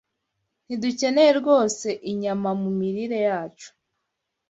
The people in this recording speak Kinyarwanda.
Ntidukeneye rwose inyamamu mirire yacu